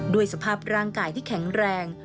ด้วยสภาพร่างกายที่แข็งแรง